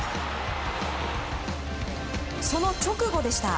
その直後でした。